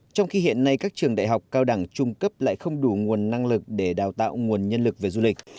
trong khi hiện nay các trường đại học cao đẳng trung cấp lại không đủ nguồn năng lực để đào tạo nguồn nhân lực về du lịch